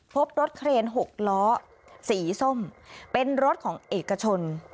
พบรถเครน๖ล้อสีส้มเป็นรถของเอกชน